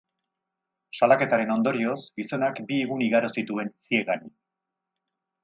Salaketaren ondorioz, gizonak bi egun igaro zituen ziegan.